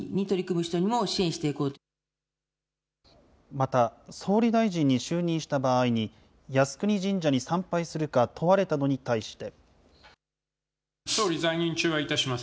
また、総理大臣に就任した場合に、靖国神社に参拝するか問われたのに対して。